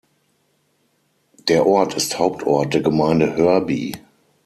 Der Ort ist Hauptort der Gemeinde Hörby.